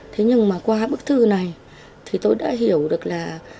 thế nhưng mà qua bức thư này thì tôi đã hiểu được là